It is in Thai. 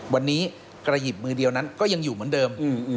วันนี้กระหยิบมือเดียวนั้นก็ยังอยู่เหมือนเดิม